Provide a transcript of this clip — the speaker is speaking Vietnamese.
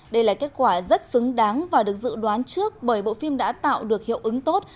đây là kết quả rất xứng đáng và được dự đoán trước bởi bộ phim đã tạo được hiệu ứng tốt